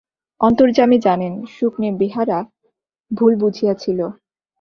অন্তর্যামী জানেন, সুখনে বেহারা ভুল বুঝিয়াছিল।